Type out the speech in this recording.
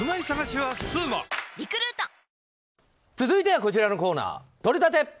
続いては、こちらのコーナーとれたて！